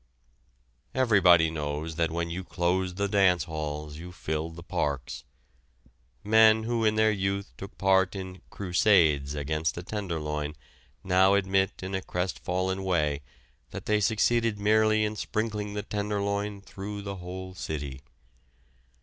Everybody knows that when you close the dance halls you fill the parks. Men who in their youth took part in "crusades" against the Tenderloin now admit in a crestfallen way that they succeeded merely in sprinkling the Tenderloin through the whole city.